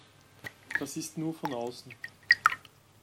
Das ist nur von außen.